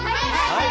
はい！